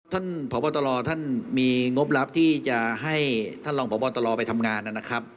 ท่านพบตรท่านมีงบรับที่จะให้ท่านรองพบตรไปทำงานนะครับ